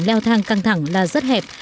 leo thang căng thẳng là rất hẹp